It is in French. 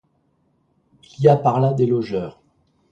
Il y a par là des logeurs.